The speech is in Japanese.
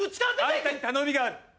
あんたに頼みがある。